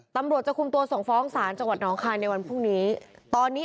ตำรวจจะคุมตัวส่งฟ้องศาลจังหวัดน้องคายในวันพรุ่งนี้ตอนนี้